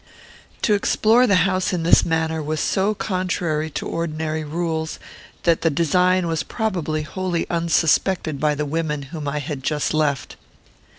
To explore the house in this manner was so contrary to ordinary rules, that the design was probably wholly unsuspected by the women whom I had just left.